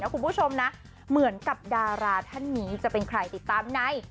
คุณผู้ชมนะเหมือนกับดาราท่านนี้จะเป็นใครติดตามใน